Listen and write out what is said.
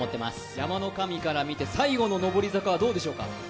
山の神から見て最後の坂はどうでしょうか？